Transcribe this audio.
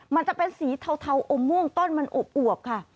มันจะเป็นสีเทาอมม่วงต้นมันอวบค่ะ